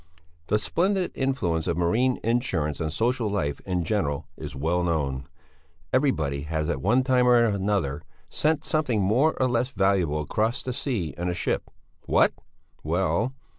The splendid influence of marine insurance on social life in general is well known. Everybody has at one time or other sent something more or less valuable across the sea in a ship. What? Well!